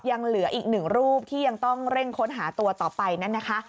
ยังเหลืออีกหนึ่งรูปที่ยังต้องเร่งค้นหาตัวต่อไปนั่นนะคะ